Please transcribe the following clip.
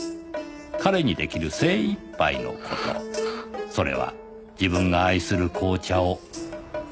“彼”に出来る精いっぱいの事それは自分が愛する紅茶を贈る事だけだった